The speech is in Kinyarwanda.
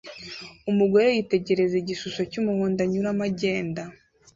Umugore yitegereza igishusho cyumuhondo anyuramo agenda